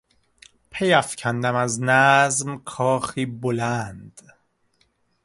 پیافکندم از نظم کاخی بلند